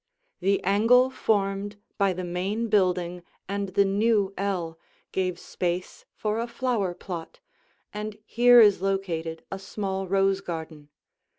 The angle formed by the main building and the new ell gave space for a flower plot, and here is located a small rose garden.